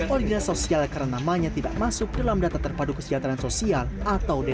original sosial yang karena namanya tidak masuk dalam data terpadu kesejahteraan sosial atau dtks